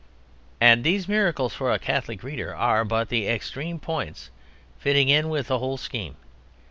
And these miracles, for a Catholic reader, are but the extreme points fitting in with the whole scheme.